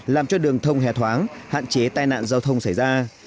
làm cho đường thông hề thoáng hạn chế tai nạn giao thông xảy ra